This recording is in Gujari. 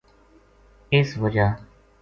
اس وجہ